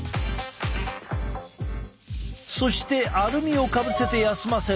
そしてアルミをかぶせて休ませる。